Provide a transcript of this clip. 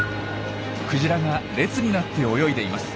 クジラが列になって泳いでいます。